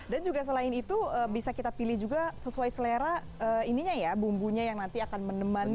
dan juga selain itu bisa kita pilih juga sesuai selera ininya ya bumbunya yang nanti akan menemani